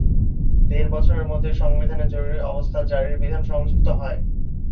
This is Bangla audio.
দেড় বছরের মধ্যেই সংবিধানে জরুরি অবস্থা জারির বিধান সংযুক্ত হয়।